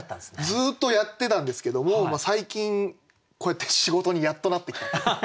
ずっとやってたんですけども最近こうやって仕事にやっとなってきた。